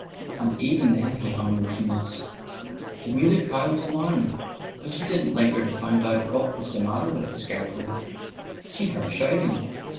And even then he hung motionless. The Muley Cow was alarmed. But she didn't linger to find out what was the matter with the scarecrow. She heard shouting.